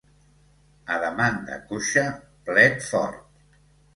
A demanda coixa, plet fort.